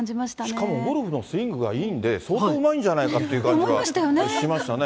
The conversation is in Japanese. しかもゴルフのスイングすごくいいので、相当うまいんじゃないかという感じがしましたね。